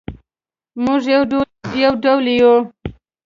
مونږ یو ډول یو